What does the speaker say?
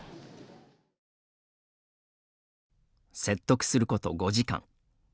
説得すること５時間。